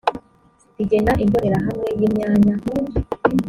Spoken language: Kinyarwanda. rigena imbonerahamwe y imyanya